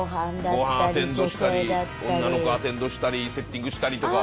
御飯アテンドしたり女の子アテンドしたりセッティングしたりとか。